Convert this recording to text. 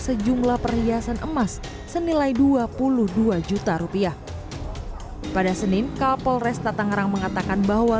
sejumlah perhiasan emas senilai dua puluh dua juta rupiah pada senin kapol resta tangerang mengatakan bahwa